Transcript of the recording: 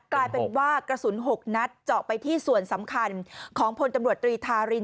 กลายเป็นว่ากระสุน๖นัดเจาะไปที่ส่วนสำคัญของพลตำรวจตรีทาริน